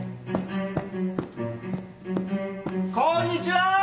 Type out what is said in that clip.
こんにちは！